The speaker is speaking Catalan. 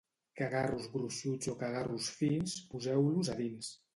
Cagarros gruixuts o cagarros fins, poseu-los a dins.